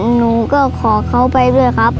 หนูก็ขอเขาไปด้วยครับ